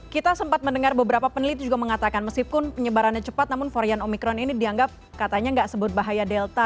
kita sempat mendengar beberapa peneliti juga mengatakan meskipun penyebarannya cepat namun varian omikron ini dianggap katanya nggak sebut bahaya delta